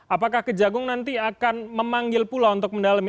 apakah kejagung nanti akan memanggil pula untuk mendalami